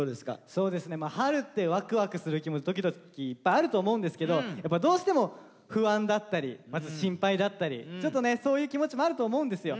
そうですね春ってワクワクする気持ちドキドキいっぱいあると思うんですけどやっぱどうしても不安だったり心配だったりちょっとねそういう気持ちもあると思うんですよ。